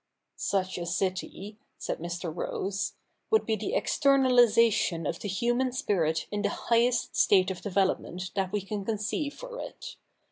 Such a city,' said Mr. Rose, ' would be the externalisation of the human spirit in the highest state of development that we can conceive for it.